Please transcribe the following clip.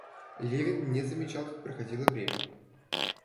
Левин не замечал, как проходило время.